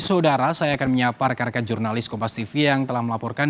saudara saya akan menyapar karyakan jurnalis kompastv yang telah melaporkan